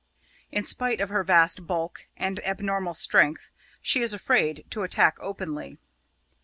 In spite of her vast bulk and abnormal strength, she is afraid to attack openly.